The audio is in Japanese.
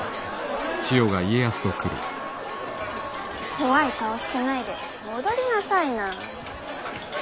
怖い顔してないで踊りなさいな。